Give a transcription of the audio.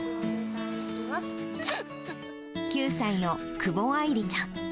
９歳の久保愛梨ちゃん。